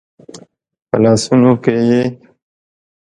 په لاسونو کې یې